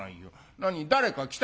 何誰か来たの？」。